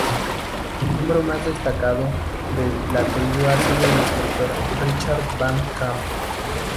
El miembro más destacado de la tribu ha sido el escritor Richard van Camp.